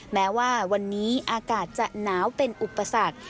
แม้ว่าวันนี้อากาศจะหนาวเป็นอุปสรรค